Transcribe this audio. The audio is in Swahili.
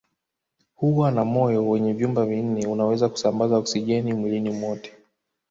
Huwa na moyo wenye vyumba vinne unaoweza kusambaza oksijeni mwilini mote